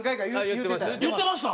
言ってました？